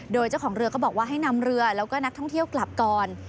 โดยเจ้าของเรือก็บอกว่าให้นำเรือแล้วก็นักท่องเที่ยวกลับก่อน